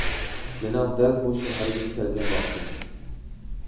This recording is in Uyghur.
مېنىڭ دەل بۇ شەھەرگە كەلگەن ۋاقتىم.